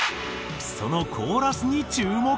そのコーラスに注目。